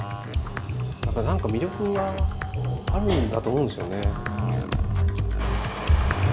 何か魅力はあるんだと思うんですよね。